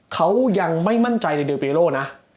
เขายังไม่มั่นใจในเดียวเบโรนะ